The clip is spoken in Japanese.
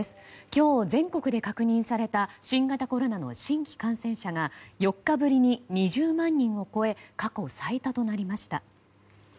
今日全国で確認された新型コロナの新規感染者が４日ぶりに２０万人を超え過去最多となりました。